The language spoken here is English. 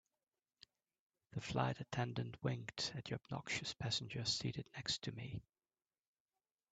The flight attendant winked at the obnoxious passenger seated next to me.